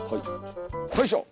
よいしょ！